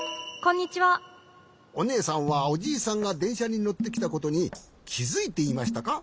おねえさんはおじいさんがでんしゃにのってきたことにきづいていましたか？